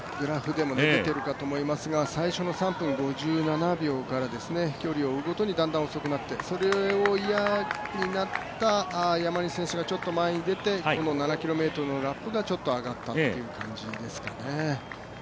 最初の３分５７秒から距離を追うごとにだんだん、遅くなってそれが嫌になった山西選手がちょっと前に出て７ｋｍのラップがちょっと上がったという感じですかね。